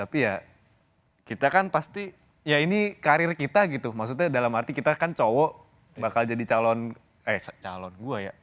tapi ya kita kan pasti ya ini karir kita gitu maksudnya dalam arti kita kan cowok bakal jadi calon eh calon gue ya